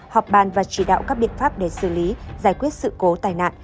họp bàn và chỉ đạo các biện pháp để xử lý giải quyết sự cố tai nạn